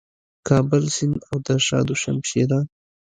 کابل سیند او د شاه دو شمشېره